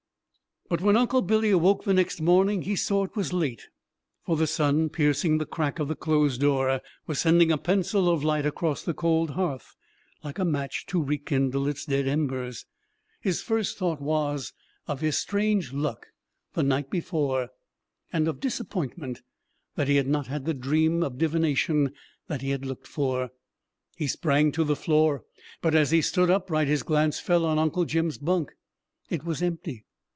But when Uncle Billy awoke the next morning he saw it was late; for the sun, piercing the crack of the closed door, was sending a pencil of light across the cold hearth, like a match to rekindle its dead embers. His first thought was of his strange luck the night before, and of disappointment that he had not had the dream of divination that he had looked for. He sprang to the floor, but as he stood upright his glance fell on Uncle Jim's bunk. It was empty.